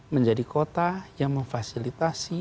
menjadi kota yang memfasilitasi